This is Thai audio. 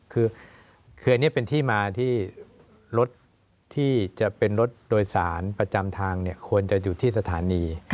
คืออันนี้เป็นที่มาที่รถที่จะเป็นรถโดยสารประจำทางควรจะอยู่ที่สถานี